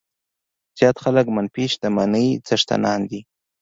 زیات خلک منفي شتمنۍ څښتنان دي.